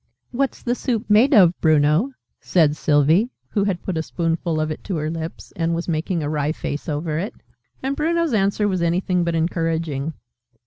"What's the soup made of, Bruno?" said Sylvie, who had put a spoonful of it to her lips, and was making a wry face over it. And Bruno's answer was anything but encouraging.